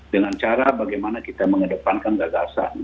dengan cara bagaimana kita mengedepankan gagasan